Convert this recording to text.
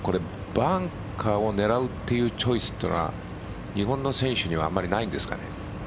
バンカーを狙うチョイスというのは日本の選手にはあまりないんですかね。